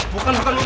bukan bukan bukan